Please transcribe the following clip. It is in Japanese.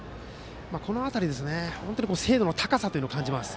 この辺り、精度の高さを感じます。